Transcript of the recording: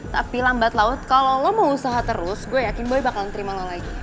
tapi lambat laut kalau lo mau usaha terus gue yakin boy bakal terima lo lagi